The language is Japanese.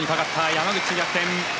山口、逆転。